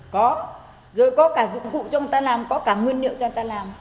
có rồi có cả dụng cụ cho người ta làm có cả nguyên liệu cho người ta làm